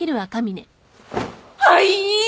はい？